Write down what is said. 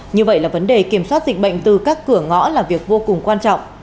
như vậy là vấn đề kiểm soát dịch bệnh từ các cửa ngõ là việc vô cùng quan trọng